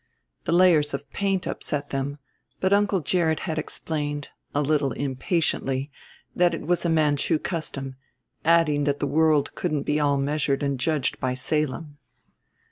The layers of paint upset them, but Uncle Gerrit had explained, a little impatiently, that it was a Manchu custom, adding that the world couldn't be all measured and judged by Salem.